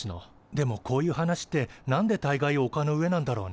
でもこういう話ってなんでたいがいおかの上なんだろうね。